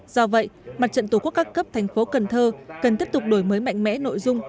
do vậy mặt trận tổ quốc các cấp thành phố cần thơ cần tiếp tục đổi mới mạnh mẽ nội dung